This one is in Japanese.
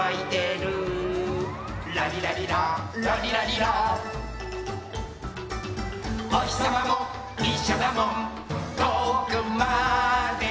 「ラリラリララリラリラ」「おひさまもいっしょだもんとおくまでゆこう！」